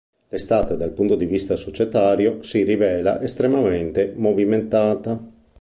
L'estate, dal punto di vista societario, si rivela estremamente movimentata.